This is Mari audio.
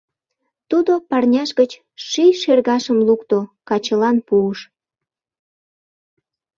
Тудо парняж гыч ший шергашым лукто, качылан пуыш.